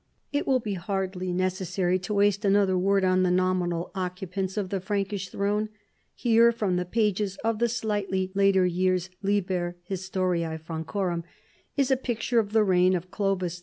It wall be hardly necessary to waste another word on the nominal occupants of the Frankish throne. Here, from the pages of the slightly later years Liher Ilistorim Francorum, is a picture of the reign of Clovis II.